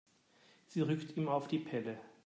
Sie rückt ihm auf die Pelle.